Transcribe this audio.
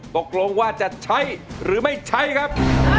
ตกลงว่าจะใช้หรือไม่ใช้ครับ